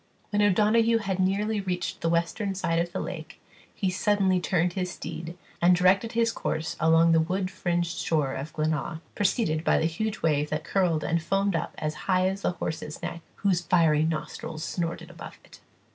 When O'Donoghue had nearly reached the western side of the lake, he suddenly turned his steed, and directed his course along the wood fringed shore of Glenaa, preceded by the huge wave that curled and foamed up as high as the horse's neck, whose fiery nostrils snorted above it.